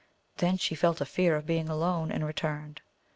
Then she felt a fear of being alone and returned.